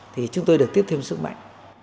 thì chúng tôi được tiếp thêm sức mạnh